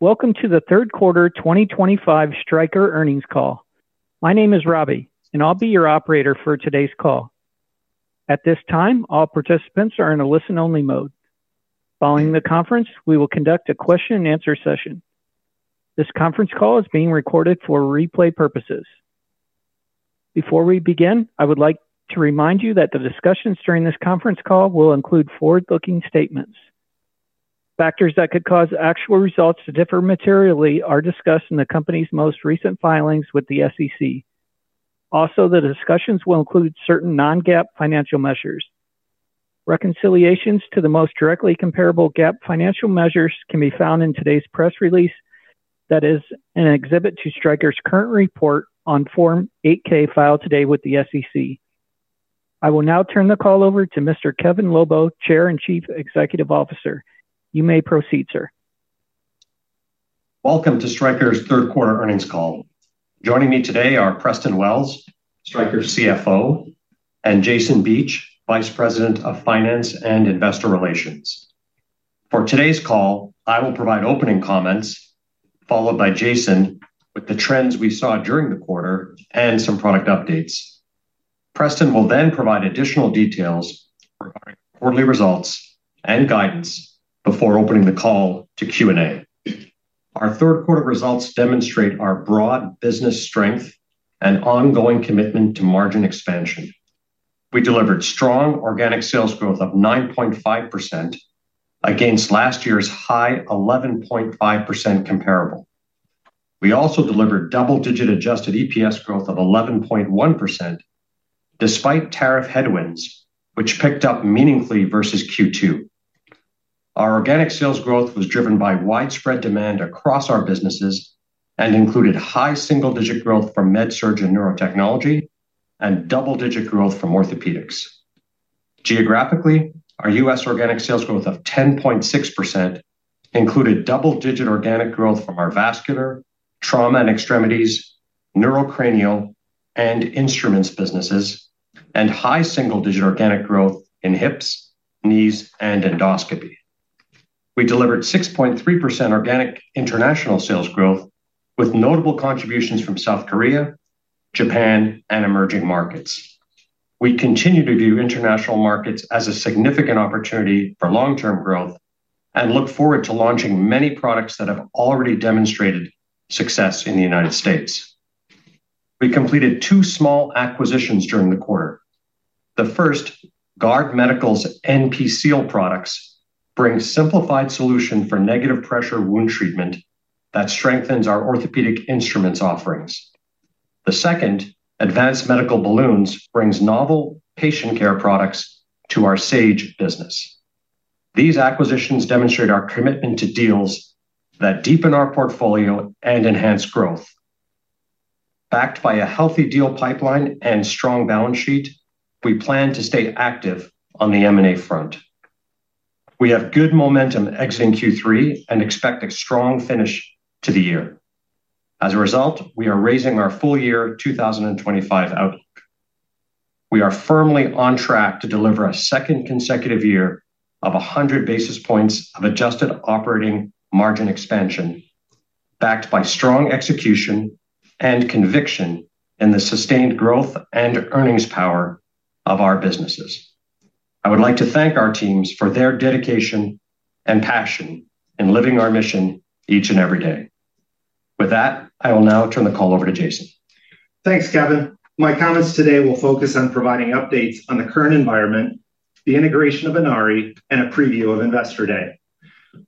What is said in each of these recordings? Welcome to the third quarter 2025 Stryker earnings call. My name is Robbie, and I'll be your operator for today's call. At this time, all participants are in a listen-only mode. Following the conference, we will conduct a question-and-answer session. This conference call is being recorded for replay purposes. Before we begin, I would like to remind you that the discussions during this conference call will include forward-looking statements. Factors that could cause actual results to differ materially are discussed in the company's most recent filings with the SEC. Also, the discussions will include certain non-GAAP financial measures. Reconciliations to the most directly comparable GAAP financial measures can be found in today's press release that is in Exhibit to Stryker's current report on Form 8K filed today with the SEC. I will now turn the call over to Mr. Kevin Lobo, Chair and Chief Executive Officer. You may proceed, sir. Welcome to Stryker's third quarter earnings call. Joining me today are Preston Wells, Stryker's CFO, and Jason Beach, Vice President of Finance and Investor Relations. For today's call, I will provide opening comments, followed by Jason with the trends we saw during the quarter and some product updates. Preston will then provide additional details regarding quarterly results and guidance before opening the call to Q&A. Our third quarter results demonstrate our broad business strength and ongoing commitment to margin expansion. We delivered strong organic sales growth of 9.5% against last year's high 11.5% comparable. We also delivered double-digit adjusted EPS growth of 11.1% despite tariff headwinds, which picked up meaningfully versus Q2. Our organic sales growth was driven by widespread demand across our businesses and included high single-digit growth from MedSurg and Neurotechnology and double-digit growth from Orthopaedics. Geographically, our U.S. organic sales growth of 10.6% included double-digit organic growth from our vascular, trauma and extremities, neurocranial, and instruments businesses, and high single-digit organic growth in hips, knees, and endoscopy. We delivered 6.3% organic international sales growth with notable contributions from South Korea, Japan, and emerging markets. We continue to view international markets as a significant opportunity for long-term growth and look forward to launching many products that have already demonstrated success in the United States. We completed two small acquisitions during the quarter. The first, Guard Medical's NP Seal products bring a simplified solution for negative pressure wound treatment that strengthens our Orthopaedic Instruments offerings. The second, Advanced Medical Balloons brings novel patient care products to our Sage business. These acquisitions demonstrate our commitment to deals that deepen our portfolio and enhance growth. Backed by a healthy deal pipeline and strong balance sheet, we plan to stay active on the M&A front. We have good momentum exiting Q3 and expect a strong finish to the year. As a result, we are raising our full year 2025 outlook. We are firmly on track to deliver a second consecutive year of 100 basis points of adjusted operating margin expansion, backed by strong execution and conviction in the sustained growth and earnings power of our businesses. I would like to thank our teams for their dedication and passion in living our mission each and every day. With that, I will now turn the call over to Jason. Thanks, Kevin. My comments today will focus on providing updates on the current environment, the integration of Inari, and a preview of Investor Day.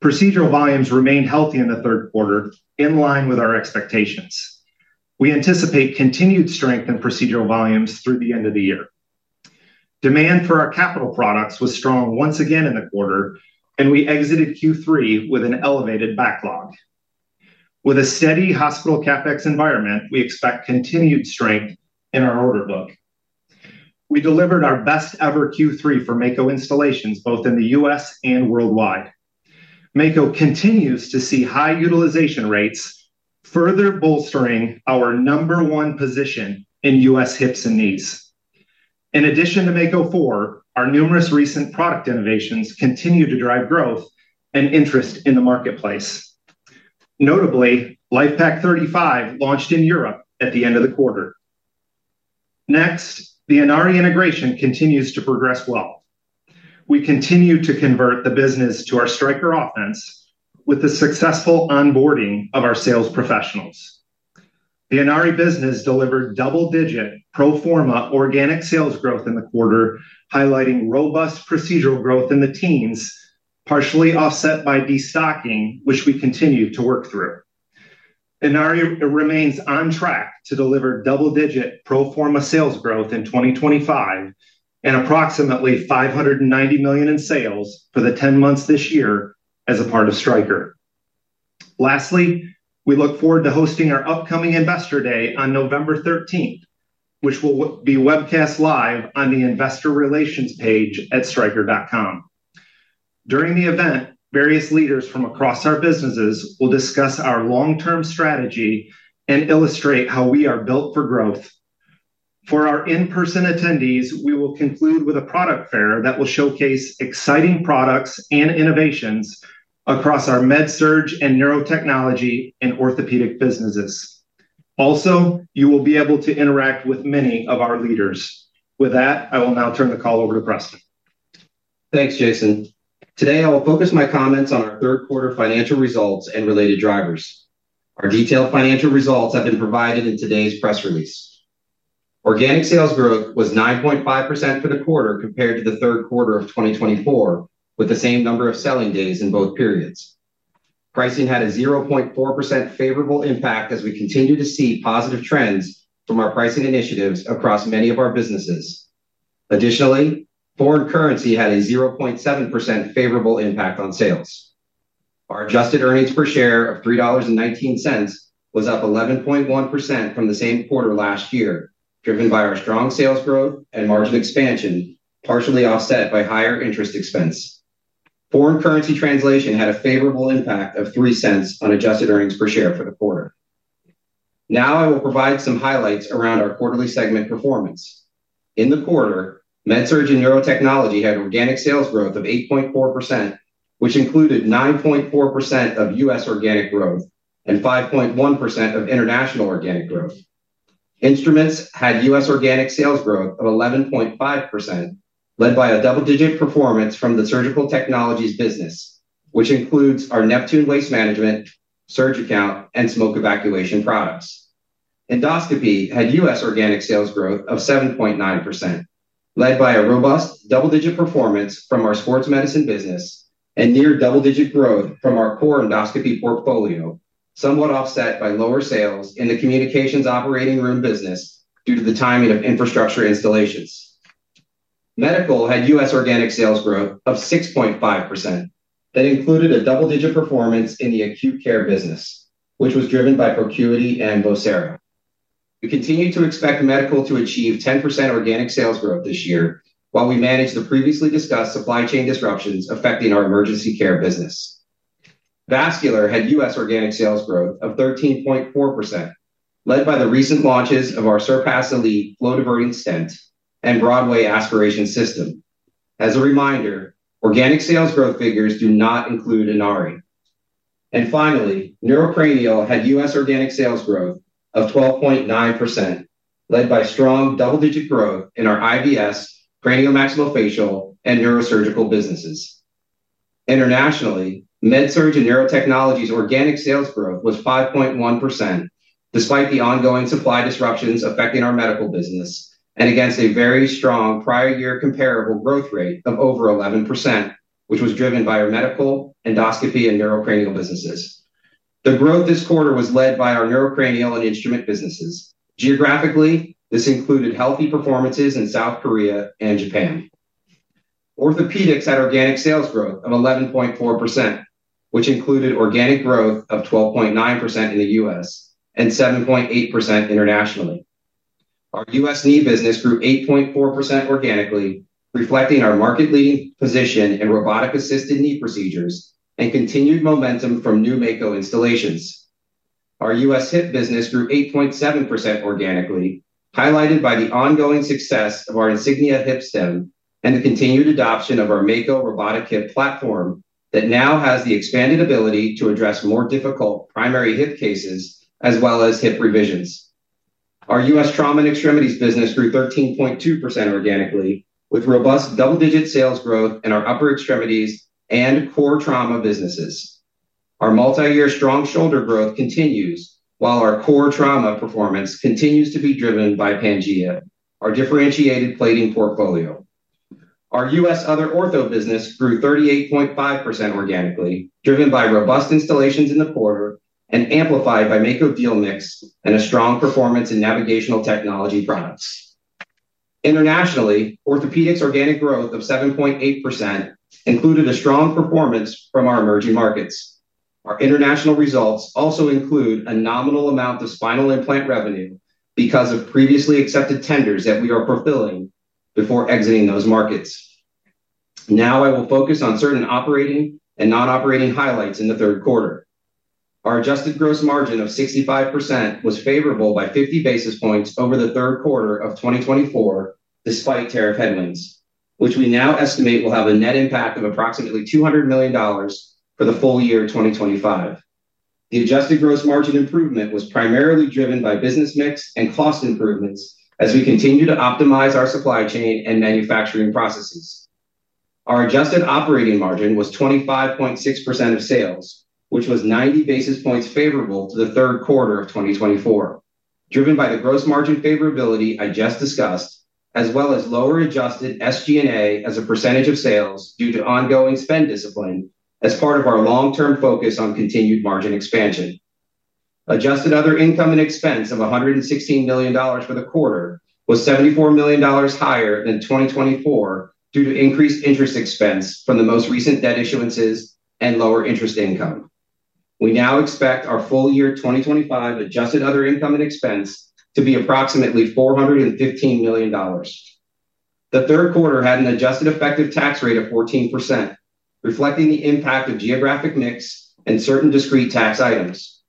Procedural volumes remained healthy in the third quarter, in line with our expectations. We anticipate continued strength in procedural volumes through the end of the year. Demand for our capital products was strong once again in the quarter, and we exited Q3 with an elevated backlog. With a steady hospital CapEx environment, we expect continued strength in our order book. We delivered our best-ever Q3 for Mako installations, both in the U.S. and worldwide. Mako continues to see high utilization rates, further bolstering our number one position in U.S. hips and knees. In addition to Mako 4, our numerous recent product innovations continue to drive growth and interest in the marketplace. Notably, LIFEPAK 35 launched in Europe at the end of the quarter. Next, the Inari integration continues to progress well. We continue to convert the business to our Stryker offense with the successful onboarding of our sales professionals. The Inari business delivered double-digit pro forma organic sales growth in the quarter, highlighting robust procedural growth in the teens, partially offset by destocking, which we continue to work through. Inari remains on track to deliver double-digit pro forma sales growth in 2025 and approximately $590 million in sales for the 10 months this year as a part of Stryker. Lastly, we look forward to hosting our upcoming Investor Day on November 13th, which will be webcast live on the Investor Relations page at stryker.com. During the event, various leaders from across our businesses will discuss our long-term strategy and illustrate how we are built for growth. For our in-person attendees, we will conclude with a product fair that will showcase exciting products and innovations across our MedSurg and Neurotechnology and Orthopaedics businesses. Also, you will be able to interact with many of our leaders. With that, I will now turn the call over to Preston. Thanks, Jason. Today, I will focus my comments on our third quarter financial results and related drivers. Our detailed financial results have been provided in today's press release. Organic sales growth was 9.5% for the quarter compared to the third quarter of 2024, with the same number of selling days in both periods. Pricing had a 0.4% favorable impact as we continue to see positive trends from our pricing initiatives across many of our businesses. Additionally, foreign currency had a 0.7% favorable impact on sales. Our adjusted earnings per share of $3.19 was up 11.1% from the same quarter last year, driven by our strong sales growth and margin expansion, partially offset by higher interest expense. Foreign currency translation had a favorable impact of $0.03 on adjusted earnings per share for the quarter. Now, I will provide some highlights around our quarterly segment performance. In the quarter, MedSurg and Neurotechnology had organic sales growth of 8.4%, which included 9.4% of U.S. organic growth and 5.1% of international organic growth. Instruments had U.S. organic sales growth of 11.5%, led by a double-digit performance from the Surgical Technologies business, which includes our Neptune waste management, SurgiCount, and smoke evacuation products. Endoscopy had U.S. organic sales growth of 7.9%, led by a robust double-digit performance from our Sports Medicine business and near double-digit growth from our core Endoscopy portfolio, somewhat offset by lower sales in the Communications Operating Room business due to the timing of infrastructure installations. Medical had U.S. organic sales growth of 6.5%. That included a double-digit performance in the Acute Care business, which was driven by Procurity and Vocera. We continue to expect Medical to achieve 10% organic sales growth this year while we manage the previously discussed supply chain disruptions affecting our Emergency Care business. Vascular had U.S. organic sales growth of 13.4%, led by the recent launches of our Surpass Elite flow-diverting stent and Broadway aspiration system. As a reminder, organic sales growth figures do not include Inari Medical. Finally, Neurocranial had U.S. organic sales growth of 12.9%, led by strong double-digit growth in our IVS, cranial maxillofacial, and neurosurgical businesses. Internationally, MedSurg and Neurotechnology organic sales growth was 5.1%, despite the ongoing supply disruptions affecting our Medical business and against a very strong prior-year comparable growth rate of over 11%, which was driven by our Medical, Endoscopy, and Neurocranial businesses. The growth this quarter was led by our Neurocranial and Instrument businesses. Geographically, this included healthy performances in South Korea and Japan. Orthopaedics had organic sales growth of 11.4%, which included organic growth of 12.9% in the U.S. and 7.8% internationally. Our U.S. knee business grew 8.4% organically, reflecting our market leading position in robotic-assisted knee procedures and continued momentum from new Mako installations. Our U.S. hip business grew 8.7% organically, highlighted by the ongoing success of our Insignia hip stem and the continued adoption of our Mako robotic hip platform that now has the expanded ability to address more difficult primary hip cases as well as hip revisions. Our U.S. trauma and extremities business grew 13.2% organically, with robust double-digit sales growth in our upper extremities and core trauma businesses. Our multi-year strong shoulder growth continues while our core trauma performance continues to be driven by Pangea, our differentiated plating portfolio. Our U.S. other ortho business grew 38.5% organically, driven by robust installations in the quarter and amplified by Mako deal mix and a strong performance in navigational technology products. Internationally, Orthopaedics organic growth of 7.8% included a strong performance from our emerging markets. Our international results also include a nominal amount of spinal implant revenue because of previously accepted tenders that we are fulfilling before exiting those markets. Now, I will focus on certain operating and non-operating highlights in the third quarter. Our adjusted gross margin of 65% was favorable by 50 basis points over the third quarter of 2024, despite tariff headwinds, which we now estimate will have a net impact of approximately $200 million for the full year 2025. The adjusted gross margin improvement was primarily driven by business mix and cost improvements as we continue to optimize our supply chain and manufacturing processes. Our adjusted operating margin was 25.6% of sales, which was 90 basis points favorable to the third quarter of 2024, driven by the gross margin favorability I just discussed, as well as lower adjusted SG&A as a percentage of sales due to ongoing spend discipline as part of our long-term focus on continued margin expansion. Adjusted other income and expense of $116 million for the quarter was $74 million higher than 2024 due to increased interest expense from the most recent debt issuances and lower interest income. We now expect our full year 2025 adjusted other income and expense to be approximately $415 million. The third quarter had an adjusted effective tax rate of 14%, reflecting the impact of geographic mix and certain discrete tax items.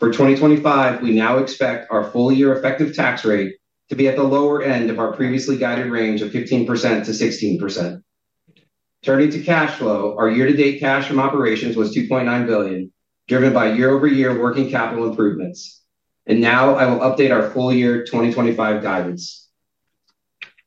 For 2025, we now expect our full year effective tax rate to be at the lower end of our previously guided range of 15%-16%. Turning to cash flow, our year-to-date cash from operations was $2.9 billion, driven by year-over-year working capital improvements. I will update our full year 2025 guidance.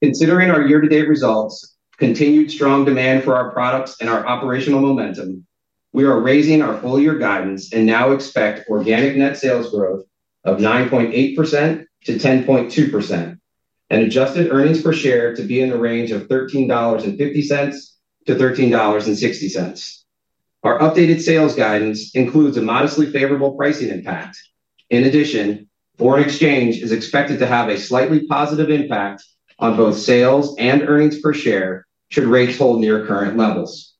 Considering our year-to-date results, continued strong demand for our products, and our operational momentum, we are raising our full year guidance and now expect organic net sales growth of 9.8% to 10.2% and adjusted earnings per share to be in the range of $13.50-$13.60. Our updated sales guidance includes a modestly favorable pricing impact. In addition, foreign exchange is expected to have a slightly positive impact on both sales and earnings per share should rates hold near current levels.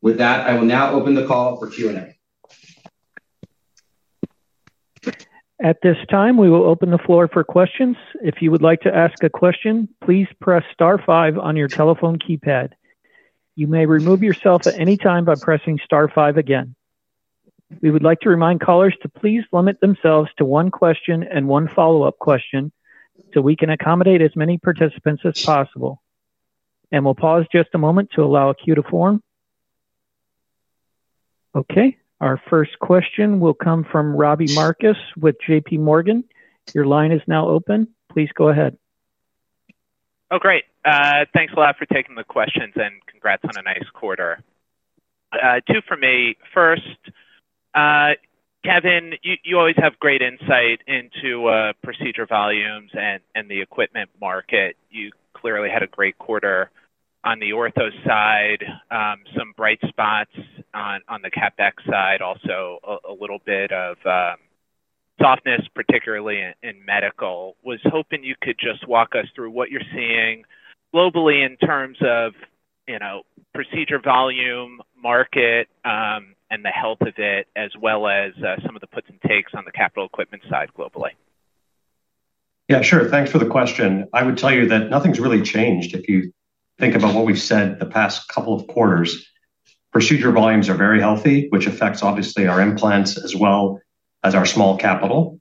With that, I will now open the call for Q&A. At this time, we will open the floor for questions. If you would like to ask a question, please press star five on your telephone keypad. You may remove yourself at any time by pressing star five again. We would like to remind callers to please limit themselves to one question and one follow-up question so we can accommodate as many participants as possible. We'll pause just a moment to allow a queue to form. Okay. Our first question will come from Robbie Marcus with JPMorgan. Your line is now open. Please go ahead. Oh, great. Thanks a lot for taking the questions and congrats on a nice quarter. Two for me. First, Kevin, you always have great insight into procedure volumes and the equipment market. You clearly had a great quarter on the ortho side, some bright spots on the CapEx side, also a little bit of softness, particularly in medical. Was hoping you could just walk us through what you're seeing globally in terms of procedure volume, market, and the health of it, as well as some of the puts and takes on the capital equipment side globally. Yeah, sure. Thanks for the question. I would tell you that nothing's really changed if you think about what we've said the past couple of quarters. Procedure volumes are very healthy, which affects obviously our implants as well as our small capital.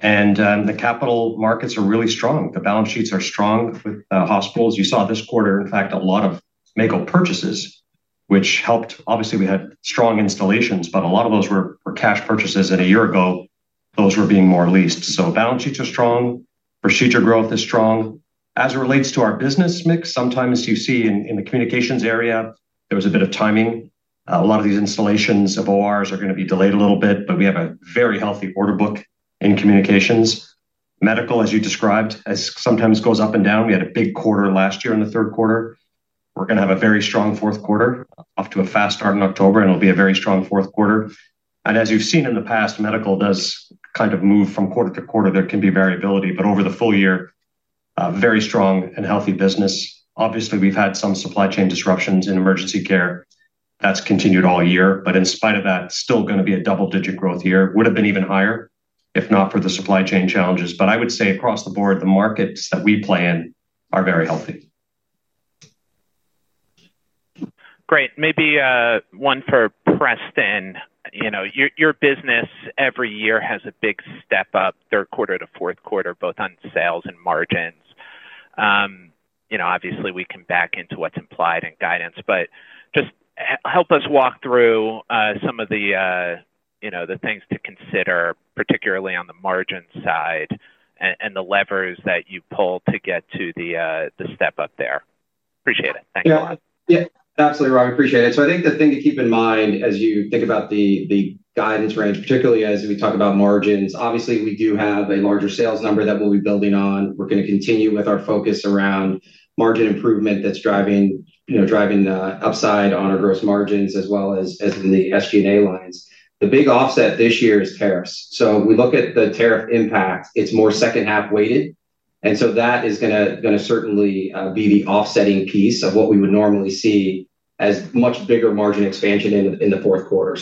The capital markets are really strong. The balance sheets are strong with hospitals. You saw this quarter, in fact, a lot of Mako purchases, which helped. Obviously, we had strong installations, but a lot of those were cash purchases. A year ago, those were being more leased. Balance sheets are strong. Procedure growth is strong. As it relates to our business mix, sometimes you see in the communications area, there was a bit of timing. A lot of these installations of ORs are going to be delayed a little bit, but we have a very healthy order book in communications. Medical, as you described, sometimes goes up and down. We had a big quarter last year in the third quarter. We're going to have a very strong fourth quarter, off to a fast start in October, and it'll be a very strong fourth quarter. As you've seen in the past, medical does kind of move from quarter to quarter. There can be variability, but over the full year, very strong and healthy business. Obviously, we've had some supply chain disruptions in emergency care. That's continued all year. In spite of that, still going to be a double-digit growth year. Would have been even higher if not for the supply chain challenges. I would say across the board, the markets that we play in are very healthy. Great. Maybe one for Preston. Your business every year has a big step up third quarter to fourth quarter, both on sales and margins. Obviously, we can back into what's implied in guidance, but just help us walk through some of the things to consider, particularly on the margin side and the levers that you pull to get to the step up there. Appreciate it. Thanks a lot. Yeah. Absolutely, Rob. Appreciate it. I think the thing to keep in mind as you think about the guidance range, particularly as we talk about margins, obviously, we do have a larger sales number that we'll be building on. We're going to continue with our focus around margin improvement that's driving upside on our gross margins as well as in the SG&A lines. The big offset this year is tariffs. We look at the tariff impact. It's more second-half weighted. That is going to certainly be the offsetting piece of what we would normally see as much bigger margin expansion in the fourth quarter.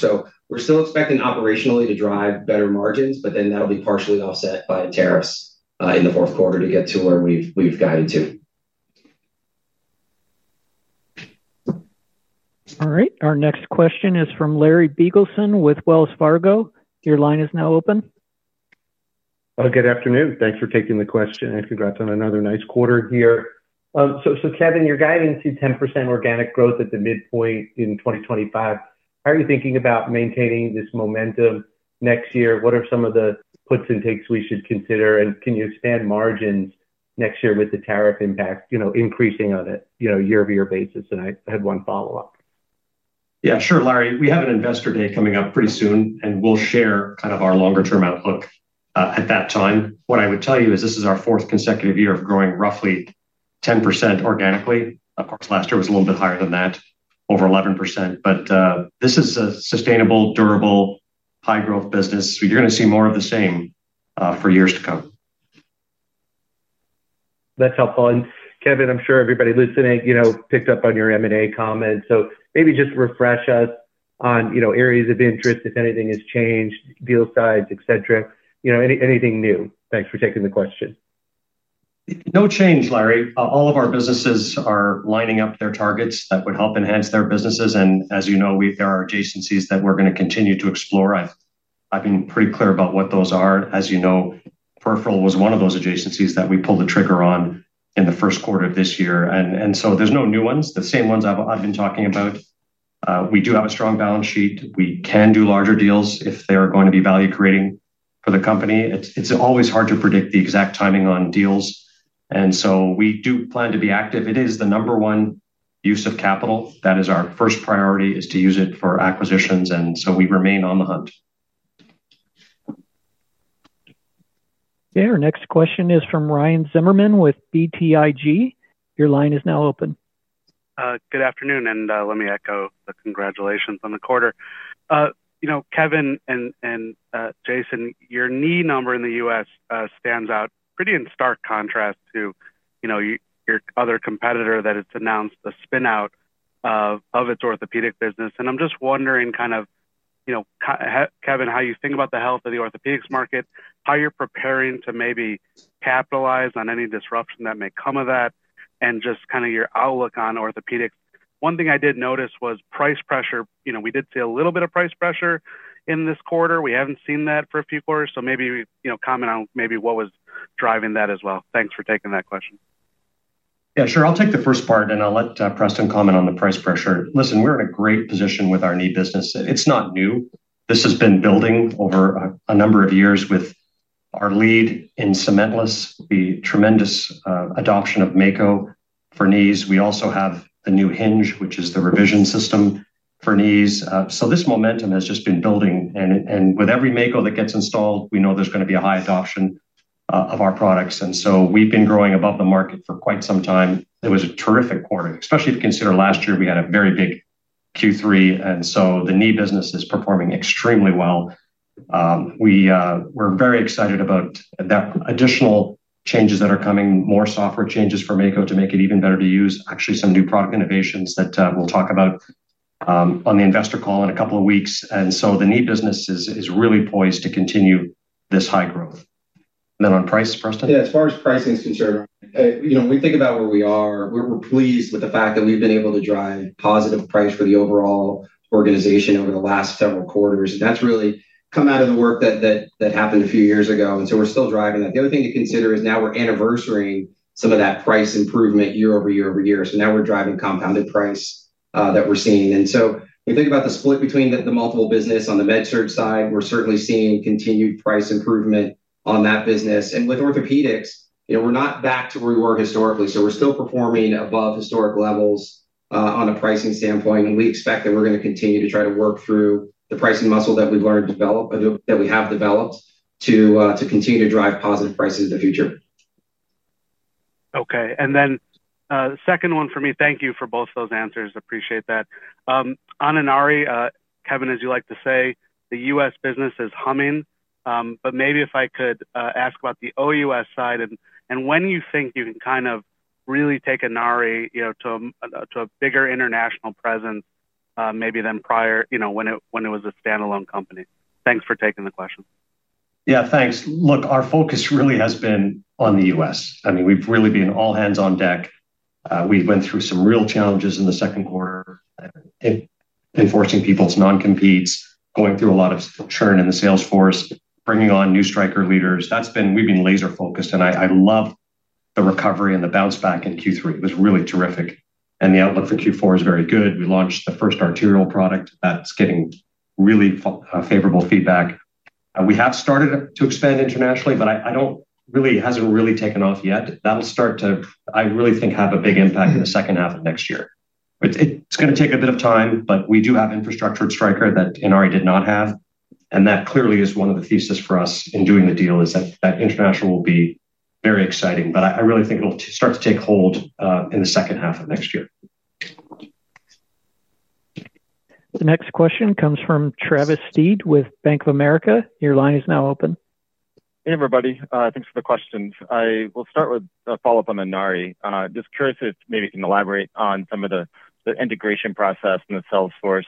We're still expecting operationally to drive better margins, but then that'll be partially offset by tariffs in the fourth quarter to get to where we've guided to. All right. Our next question is from Larry Beagleson with Wells Fargo. Your line is now open. Good afternoon. Thanks for taking the question and congrats on another nice quarter here. Kevin, you're guiding to 10% organic growth at the midpoint in 2025. How are you thinking about maintaining this momentum next year? What are some of the puts and takes we should consider? Can you expand margins next year with the tariff impact increasing on a year-over-year basis? I had one follow-up. Yeah, sure, Larry. We have an investor day coming up pretty soon, and we'll share kind of our longer-term outlook at that time. What I would tell you is this is our fourth consecutive year of growing roughly 10% organically. Of course, last year was a little bit higher than that, over 11%. This is a sustainable, durable, high-growth business. You're going to see more of the same for years to come. That's helpful. Kevin, I'm sure everybody listening picked up on your M&A comments. Maybe just refresh us on areas of interest if anything has changed, deal sides, et cetera. Anything new? Thanks for taking the question. No change, Larry. All of our businesses are lining up their targets that would help enhance their businesses. As you know, there are adjacencies that we're going to continue to explore. I've been pretty clear about what those are. As you know, Peripheral was one of those adjacencies that we pulled the trigger on in the first quarter of this year. There are no new ones. The same ones I've been talking about. We do have a strong balance sheet. We can do larger deals if they are going to be value-creating for the company. It's always hard to predict the exact timing on deals. We do plan to be active. It is the number one use of capital. That is our first priority is to use it for acquisitions. We remain on the hunt. Yeah, our next question is from Ryan Zimmerman with BTIG. Your line is now open. Good afternoon. Let me echo the congratulations on the quarter. Kevin and Jason, your knee number in the U.S. stands out pretty in stark contrast to your other competitor that has announced the spinout of its orthopaedics business. I'm just wondering, Kevin, how you think about the health of the orthopaedics market, how you're preparing to maybe capitalize on any disruption that may come of that, and just your outlook on orthopaedics. One thing I did notice was price pressure. We did see a little bit of price pressure in this quarter. We haven't seen that for a few quarters. Maybe comment on what was driving that as well. Thanks for taking that question. Yeah, sure. I'll take the first part, and I'll let Preston comment on the price pressure. Listen, we're in a great position with our knee business. It's not new. This has been building over a number of years with our lead in cementless, the tremendous adoption of Mako for knees. We also have the new hinge, which is the revision system for knees. This momentum has just been building. With every Mako that gets installed, we know there's going to be a high adoption of our products. We've been growing above the market for quite some time. It was a terrific quarter, especially if you consider last year we had a very big Q3. The knee business is performing extremely well. We're very excited about the additional changes that are coming, more software changes for Mako to make it even better to use, actually some new product innovations that we'll talk about on the investor call in a couple of weeks. The knee business is really poised to continue this high growth. On price, Preston? Yeah, as far as pricing is concerned, when we think about where we are, we're pleased with the fact that we've been able to drive positive price for the overall organization over the last several quarters. That's really come out of the work that happened a few years ago. We're still driving that. The other thing to consider is now we're anniversarying some of that price improvement year over year over year. Now we're driving compounded price that we're seeing. We think about the split between the multiple business on the MedSurg side. We're certainly seeing continued price improvement on that business. With orthopaedics, we're not back to where we were historically. We're still performing above historic levels on a pricing standpoint. We expect that we're going to continue to try to work through the pricing muscle that we've learned to develop, that we have developed, to continue to drive positive prices in the future. Okay. Second one for me, thank you for both those answers. Appreciate that. On Inari, Kevin, as you like to say, the U.S. business is humming. Maybe if I could ask about the OUS side, and when you think you can kind of really take Inari to a bigger international presence maybe than prior when it was a standalone company? Thanks for taking the question. Yeah, thanks. Look, our focus really has been on the U.S. I mean, we've really been all hands on deck. We went through some real challenges in the second quarter. Enforcing people's non-competes, going through a lot of churn in the sales force, bringing on new Stryker leaders. We've been laser-focused. I love the recovery and the bounce back in Q3. It was really terrific, and the outlook for Q4 is very good. We launched the first arterial product. That's getting really favorable feedback. We have started to expand internationally, but it hasn't really taken off yet. That'll start to, I really think, have a big impact in the second half of next year. It's going to take a bit of time, but we do have infrastructure at Stryker that Inari did not have. That clearly is one of the theses for us in doing the deal, that international will be very exciting. I really think it'll start to take hold in the second half of next year. The next question comes from Travis Steed with Bank of America. Your line is now open. Hey, everybody. Thanks for the questions. I will start with a follow-up on Inari Medical. Just curious if maybe you can elaborate on some of the integration process and the sales force.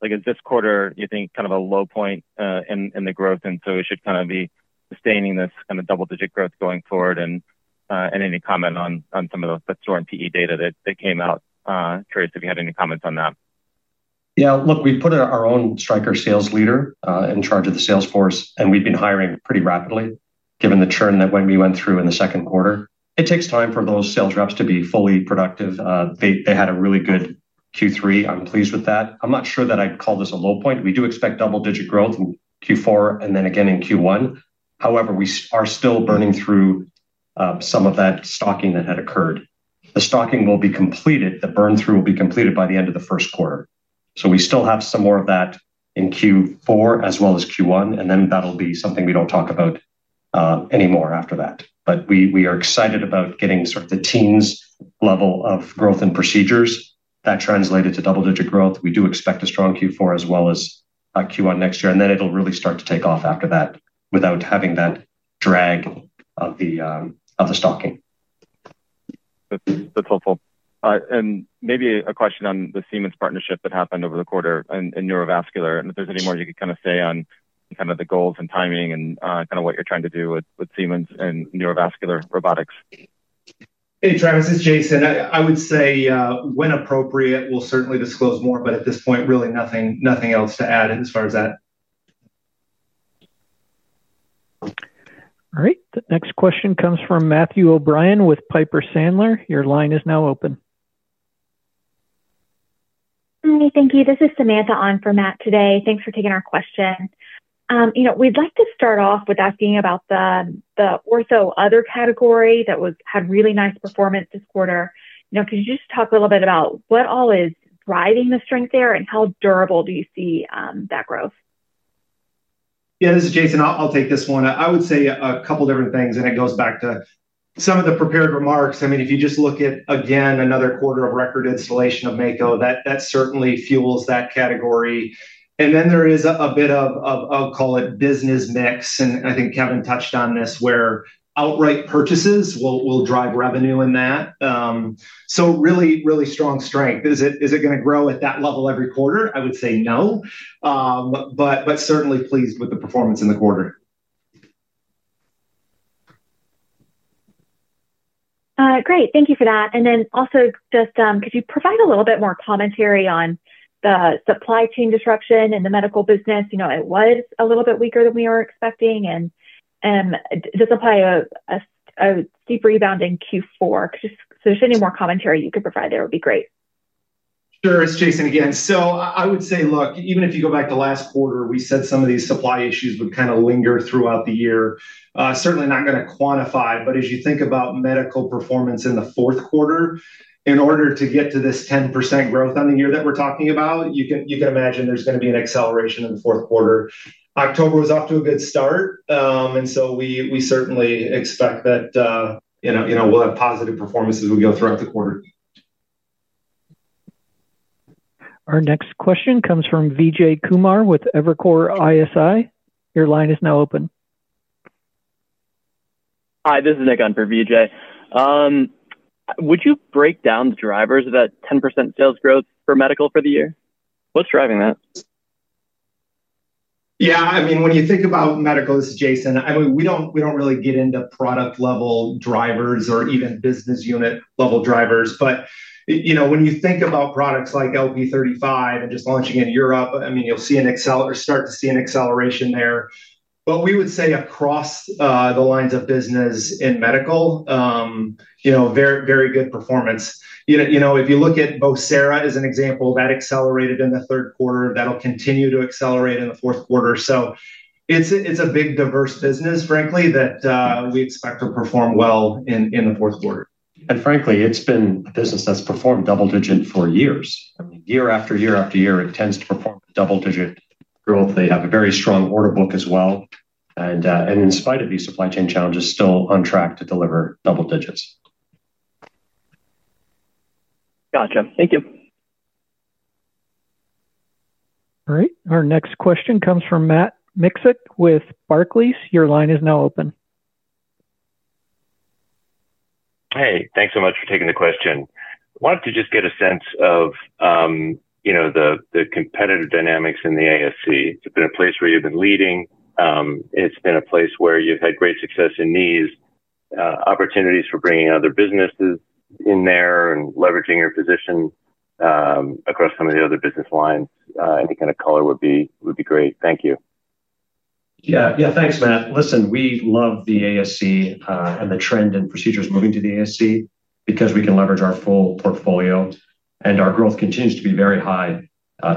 Is this quarter, you think, kind of a low point in the growth? It should kind of be sustaining this kind of double-digit growth going forward. Any comment on some of the store and PE data that came out? Curious if you had any comments on that. Yeah. Look, we put our own Stryker sales leader in charge of the sales force, and we've been hiring pretty rapidly given the churn that we went through in the second quarter. It takes time for those sales reps to be fully productive. They had a really good Q3. I'm pleased with that. I'm not sure that I'd call this a low point. We do expect double-digit growth in Q4 and then again in Q1. However, we are still burning through some of that stocking that had occurred. The stocking will be completed. The burn-through will be completed by the end of the first quarter. We still have some more of that in Q4 as well as Q1, and then that'll be something we don't talk about anymore after that. We are excited about getting sort of the teens level of growth in procedures that translated to double-digit growth. We do expect a strong Q4 as well as Q1 next year, and then it'll really start to take off after that without having that drag of the stocking. That's helpful. Maybe a question on the Siemens partnership that happened over the quarter in neurovascular. If there's any more you could kind of say on the goals and timing and what you're trying to do with Siemens and neurovascular robotics. Hey, Travis, it's Jason. I would say when appropriate, we'll certainly disclose more, but at this point, really nothing else to add as far as that. All right. The next question comes from Matthew O'Brien with Piper Sandler. Your line is now open. Thank you. This is Samantha on for Matt today. Thanks for taking our question. We'd like to start off with asking about the ortho other category that had really nice performance this quarter. Could you just talk a little bit about what all is driving the strength there and how durable do you see that growth? Yeah, this is Jason. I'll take this one. I would say a couple of different things, and it goes back to some of the prepared remarks. If you just look at, again, another quarter of record installation of Mako, that certainly fuels that category. There is a bit of, I'll call it, business mix. I think Kevin touched on this where outright purchases will drive revenue in that. Really, really strong strength. Is it going to grow at that level every quarter? I would say no. Certainly pleased with the performance in the quarter. Great. Thank you for that. Could you provide a little bit more commentary on the supply chain disruption in the medical business? It was a little bit weaker than we were expecting. This will play a steep rebound in Q4. If there's any more commentary you could provide, that would be great. Sure. It's Jason again. I would say, look, even if you go back to last quarter, we said some of these supply issues would kind of linger throughout the year. Certainly not going to quantify, but as you think about medical performance in the fourth quarter, in order to get to this 10% growth on the year that we're talking about, you can imagine there's going to be an acceleration in the fourth quarter. October was off to a good start, and we certainly expect that. We'll have positive performances as we go throughout the quarter. Our next question comes from Vijay Kumar with Evercore ISI. Your line is now open. Hi, this is Vijay. Would you break down the drivers of that 10% sales growth for medical for the year? What's driving that? Yeah. I mean, when you think about medical, this is Jason. I mean, we don't really get into product-level drivers or even business unit-level drivers. When you think about products like LP 35 and just launching in Europe, you'll start to see an acceleration there. We would say across the lines of business in medical, very good performance. If you look at Boseera as an example, that accelerated in the third quarter. That'll continue to accelerate in the fourth quarter. It's a big, diverse business, frankly, that we expect to perform well in the fourth quarter. Frankly, it's been a business that's performed double-digit for years. I mean, year after year after year, it tends to perform double-digit growth. They have a very strong order book as well. In spite of these supply chain challenges, still on track to deliver double digits. Gotcha. Thank you. All right. Our next question comes from Matt Miksic with Barclays. Your line is now open. Hey, thanks so much for taking the question. I wanted to just get a sense of the competitive dynamics in the ASC. It's been a place where you've been leading. It's been a place where you've had great success in knees. Opportunities for bringing other businesses in there and leveraging your position across some of the other business lines. Any kind of color would be great. Thank you. Yeah. Thanks, Matt. Listen, we love the ASC and the trend in procedures moving to the ASC because we can leverage our full portfolio. Our growth continues to be very high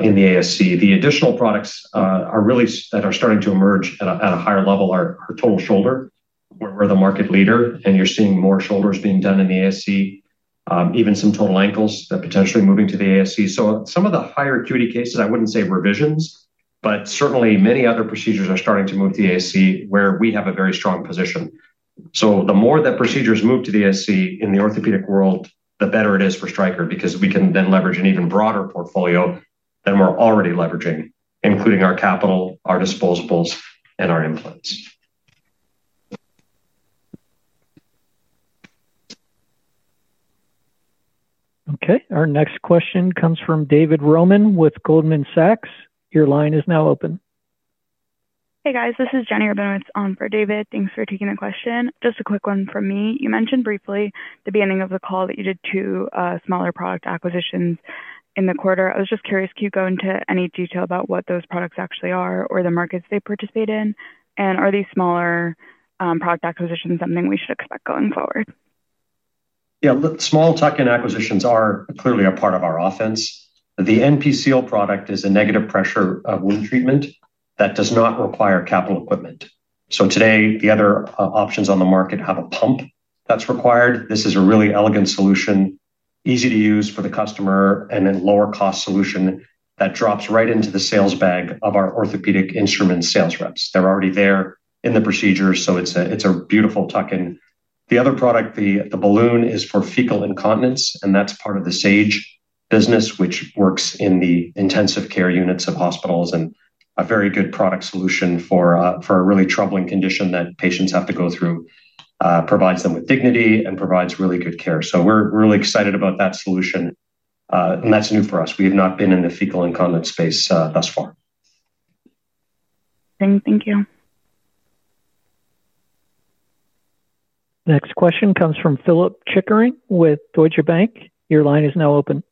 in the ASC. The additional products that are starting to emerge at a higher level are total shoulder, where we're the market leader. You're seeing more shoulders being done in the ASC, even some total ankles that are potentially moving to the ASC. Some of the higher acuity cases, I wouldn't say revisions, but certainly many other procedures are starting to move to the ASC where we have a very strong position. The more that procedures move to the ASC in the orthopedic world, the better it is for Stryker because we can then leverage an even broader portfolio than we're already leveraging, including our capital, our disposables, and our implants. Okay. Our next question comes from David Roman with Goldman Sachs. Your line is now open. Hey, guys. This is Jenny Rabinowitz for David. Thanks for taking the question. Just a quick one from me. You mentioned briefly at the beginning of the call that you did two smaller product acquisitions in the quarter. I was just curious, could you go into any detail about what those products actually are or the markets they participate in? Are these smaller product acquisitions something we should expect going forward? Yeah. Small-tuck-in acquisitions are clearly a part of our offense. The NP Seal product is a negative pressure wound treatment that does not require capital equipment. Today, the other options on the market have a pump that's required. This is a really elegant solution, easy to use for the customer, and a lower-cost solution that drops right into the sales bag of our orthopaedic instrument sales reps. They're already there in the procedure, so it's a beautiful tuck-in. The other product, the balloon, is for fecal incontinence, and that's part of the Sage business, which works in the intensive care units of hospitals and a very good product solution for a really troubling condition that patients have to go through. It provides them with dignity and provides really good care. We're really excited about that solution. That's new for us. We have not been in the fecal incontinence space thus far. Thank you. Next question comes from Philip Chickering with Deutsche Bank. Your line is now open.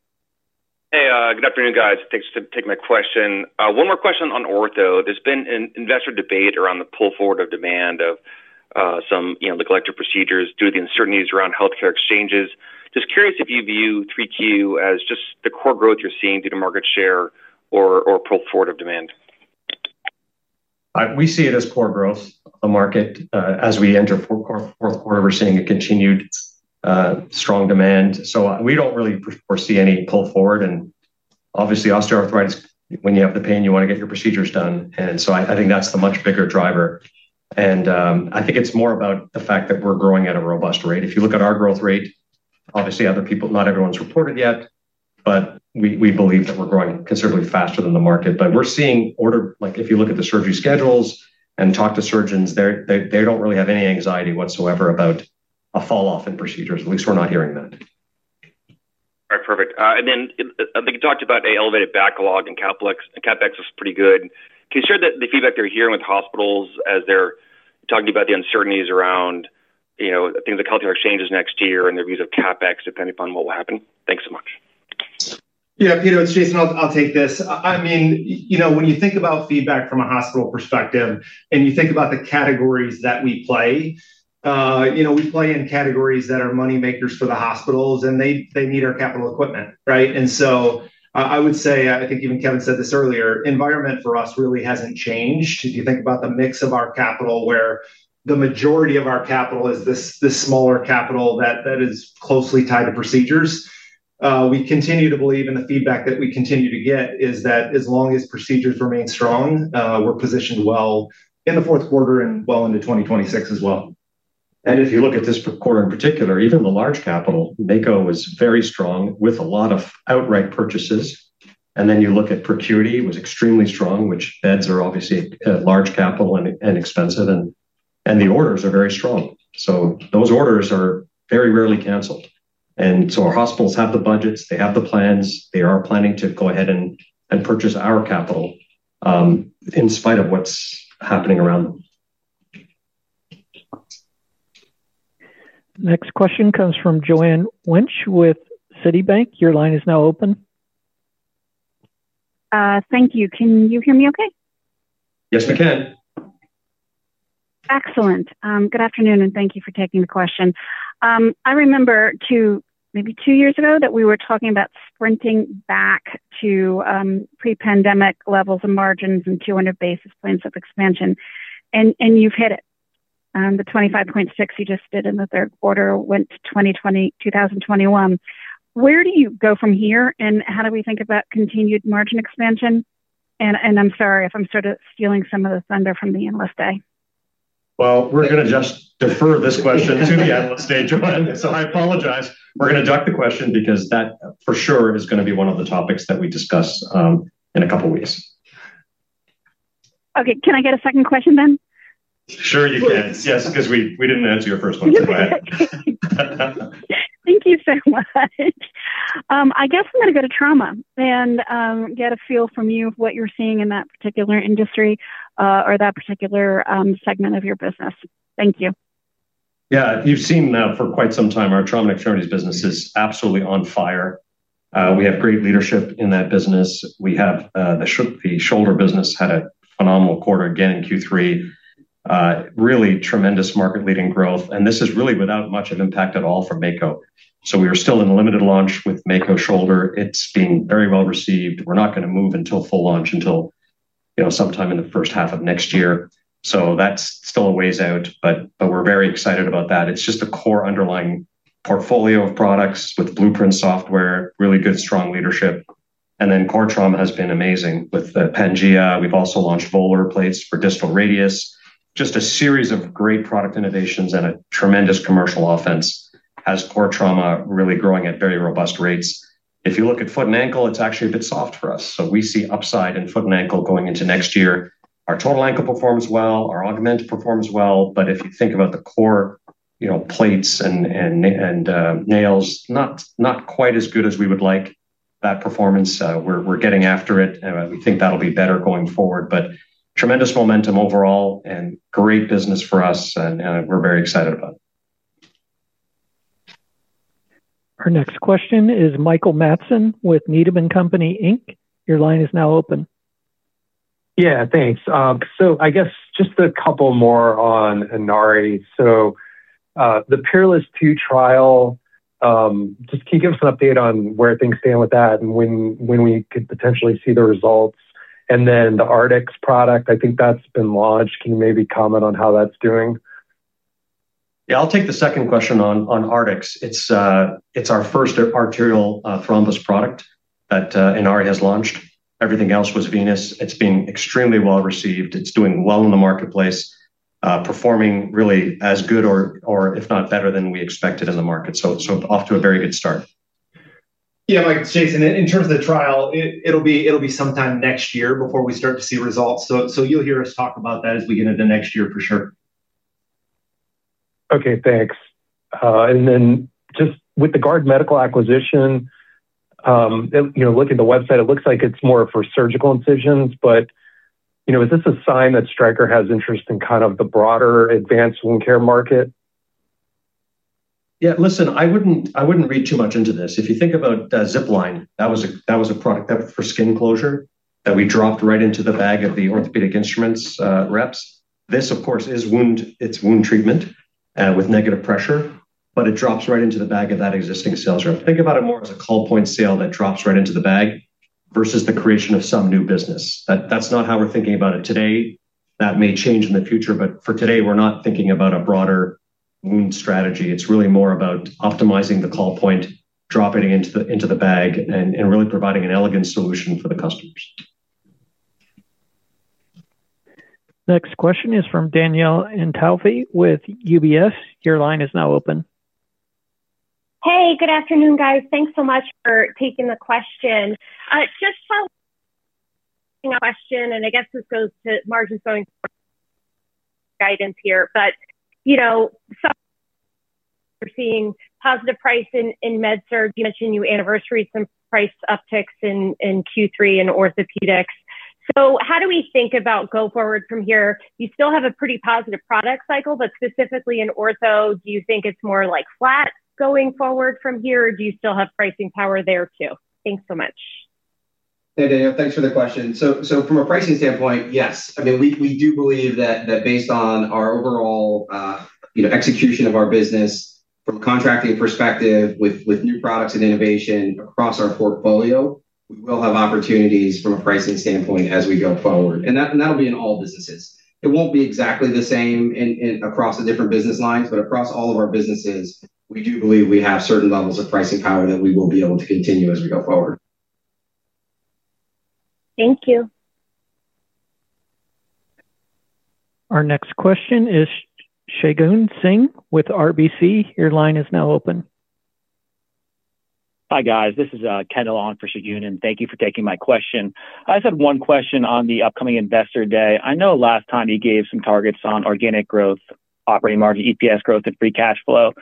Hey, good afternoon, guys. Thanks for taking my question. One more question on ortho. There's been an investor debate around the pull forward of demand of some neglected procedures due to the uncertainties around healthcare exchanges. Just curious if you view 3Q as just the core growth you're seeing due to market share or pull forward of demand. We see it as core growth of market. As we enter fourth quarter, we're seeing a continued strong demand. We don't really foresee any pull forward. Obviously, osteoarthritis, when you have the pain, you want to get your procedures done. I think that's the much bigger driver. I think it's more about the fact that we're growing at a robust rate. If you look at our growth rate, obviously, not everyone's reported yet, but we believe that we're growing considerably faster than the market. We're seeing order if you look at the surgery schedules and talk to surgeons, they don't really have any anxiety whatsoever about a falloff in procedures. At least we're not hearing that. All right. Perfect. They talked about an elevated backlog, and CapEx is pretty good. Can you share the feedback they're hearing with hospitals as they're talking about the uncertainties around things like healthcare exchanges next year and their views of CapEx depending upon what will happen? Thanks so much. Yeah, Peter, it's Jason. I'll take this. When you think about feedback from a hospital perspective and you think about the categories that we play, we play in categories that are moneymakers for the hospitals, and they need our capital equipment, right? I would say, I think even Kevin said this earlier, the environment for us really hasn't changed. If you think about the mix of our capital where the majority of our capital is this smaller capital that is closely tied to procedures, we continue to believe in the feedback that we continue to get is that as long as procedures remain strong, we're positioned well in the fourth quarter and well into 2026 as well. If you look at this quarter in particular, even the large capital, Mako was very strong with a lot of outright purchases. You look at procurement, it was extremely strong, which beds are obviously large capital and expensive, and the orders are very strong. Those orders are very rarely canceled. Our hospitals have the budgets. They have the plans. They are planning to go ahead and purchase our capital in spite of what's happening around them. Next question comes from Joanne Wuensch with Citibank. Your line is now open. Thank you. Can you hear me okay? Yes, we can. Excellent. Good afternoon, and thank you for taking the question. I remember maybe two years ago that we were talking about sprinting back to pre-pandemic levels of margins and 200 basis points of expansion. You've hit it. The 25.6% you just did in the third quarter went to 2020, 2021. Where do you go from here? How do we think about continued margin expansion? I'm sorry if I'm sort of stealing some of the thunder from the analyst day. We're going to just defer this question to the analyst day, Joanne. I apologize. We're going to duck the question because that for sure is going to be one of the topics that we discuss in a couple of weeks. Okay. Can I get a second question then? Sure you can. Yes, because we didn't answer your first one too bad. Thank you so much. I guess I'm going to go to trauma and get a feel from you of what you're seeing in that particular industry or that particular segment of your business. Thank you. Yeah. You've seen for quite some time our trauma and extremities business is absolutely on fire. We have great leadership in that business. The shoulder business had a phenomenal quarter again in Q3. Really tremendous market-leading growth. This is really without much of impact at all for Mako. We were still in a limited launch with Mako Shoulder. It's being very well received. We're not going to move until full launch until sometime in the first half of next year. That's still a ways out, but we're very excited about that. It's just a core underlying portfolio of products with blueprint software, really good strong leadership. Core trauma has been amazing with the Pangea. We've also launched volar plates for distal radius. Just a series of great product innovations and a tremendous commercial offense as core trauma really growing at very robust rates. If you look at foot and ankle, it's actually a bit soft for us. We see upside in foot and ankle going into next year. Our total ankle performs well. Our augment performs well. If you think about the core plates and nails, not quite as good as we would like that performance. We're getting after it. We think that'll be better going forward, but tremendous momentum overall and great business for us. We're very excited about it. Our next question is Michael Matson with Needham & Company Inc. Your line is now open. Yeah, thanks. I guess just a couple more on Inari. The PEERLESS II trial, can you give us an update on where things stand with that and when we could potentially see the results? The Artix product, I think that's been launched. Can you maybe comment on how that's doing? I'll take the second question on Artix. It's our first arterial thrombus product that Inari Medical has launched. Everything else was venous. It's been extremely well received. It's doing well in the marketplace, performing really as good or if not better than we expected in the market. Off to a very good start. Yeah, Mike, it's Jason, in terms of the trial, it'll be sometime next year before we start to see results. You'll hear us talk about that as we get into next year for sure. Okay, thanks. With the Guard Medical acquisition, looking at the website, it looks like it's more for surgical incisions. Is this a sign that Stryker has interest in kind of the broader advanced wound care market? Yeah, listen, I wouldn't read too much into this. If you think about Zipline, that was a product that was for skin closure that we dropped right into the bag of the orthopaedic instruments reps. This, of course, is wound. It's wound treatment with negative pressure, but it drops right into the bag of that existing sales rep. Think about it more as a call point sale that drops right into the bag versus the creation of some new business. That's not how we're thinking about it today. That may change in the future, but for today, we're not thinking about a broader wound strategy. It's really more about optimizing the call point, dropping it into the bag, and really providing an elegant solution for the customers. Next question is from Danielle Antalffy with UBS. Your line is now open. Hey, good afternoon, guys. Thanks so much for taking the question. Just following a question, and I guess this goes to margins going forward. Guidance here, but we're seeing positive price in MedSurg. You mentioned new anniversaries, some price upticks in Q3 in orthopaedics. How do we think about go forward from here? You still have a pretty positive product cycle, but specifically in ortho, do you think it's more like flat going forward from here, or do you still have pricing power there too? Thanks so much. Hey, Danielle, thanks for the question. From a pricing standpoint, yes. I mean, we do believe that based on our overall execution of our business from a contracting perspective with new products and innovation across our portfolio, we will have opportunities from a pricing standpoint as we go forward. That'll be in all businesses. It won't be exactly the same across the different business lines, but across all of our businesses, we do believe we have certain levels of pricing power that we will be able to continue as we go forward. Thank you. Our next question is Shagoon Singh with RBC. Your line is now open. Hi, guys. This is Kendall on for Shagoon and thank you for taking my question. I just had one question on the upcoming investor day. I know last time you gave some targets on organic growth, operating margin, EPS growth, and free cash flow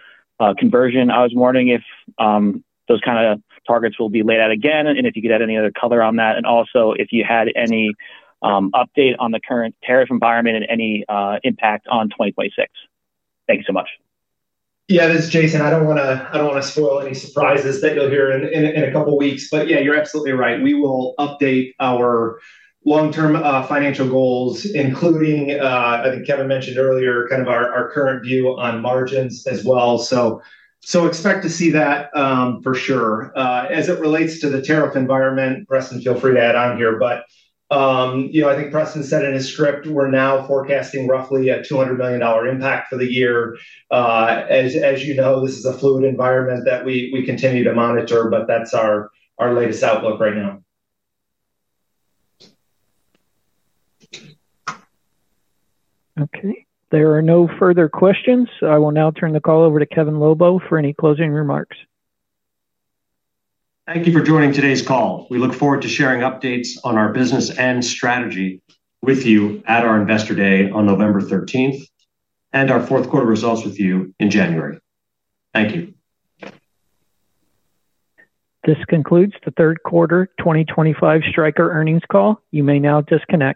conversion. I was wondering if those kind of targets will be laid out again and if you could add any other color on that. Also, if you had any update on the current tariff environment and any impact on 2026. Thank you so much. Yeah, this is Jason. I don't want to spoil any surprises that you'll hear in a couple of weeks. You're absolutely right. We will update our long-term financial goals, including, I think Kevin mentioned earlier, kind of our current view on margins as well. Expect to see that for sure. As it relates to the tariff environment, Preston, feel free to add on here. I think Preston said in his script, we're now forecasting roughly a $200 million impact for the year. As you know, this is a fluid environment that we continue to monitor, but that's our latest outlook right now. Okay. There are no further questions. I will now turn the call over to Kevin Lobo for any closing remarks. Thank you for joining today's call. We look forward to sharing updates on our business and strategy with you at our Investor Day on November 13th and our fourth quarter results with you in January. Thank you. This concludes the third quarter 2025 Stryker earnings call. You may now disconnect.